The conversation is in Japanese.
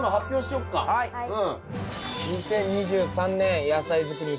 うん。